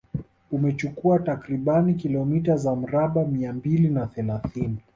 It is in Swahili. Umechukua takribani kilomita za mraba mia mbili na thelathini